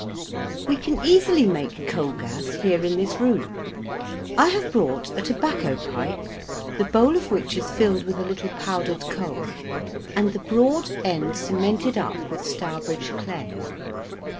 We can easily make coal gas here in this room. I have brought a tobacco pipe, the bowl of which is filled with a little powdered coal, and the broad end cemented up with Stourbridge clay.